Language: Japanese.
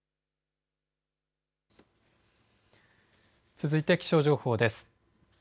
続いて気象情報です。